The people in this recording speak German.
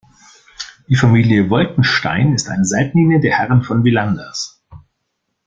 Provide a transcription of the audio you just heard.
Die Familie Wolkenstein ist eine Seitenlinie der Herren von Villanders.